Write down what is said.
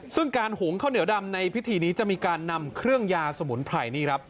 ซึ่งการหุงข้าวเหนียวดำในพิธีนี้จะมีการนำเครื่องยาสมุนไพรนี่ครับ